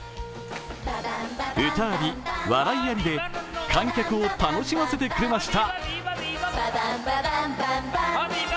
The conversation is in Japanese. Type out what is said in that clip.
歌あり、笑いありで観客を楽しませてくれました。